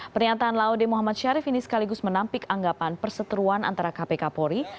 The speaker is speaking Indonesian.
pernyataan laude muhammad syarif ini sekaligus menampik anggapan perseteruan antara kpk polri